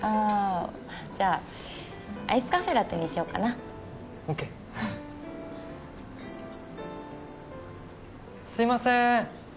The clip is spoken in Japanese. じゃアイスカフェラテにしようかなＯＫすいません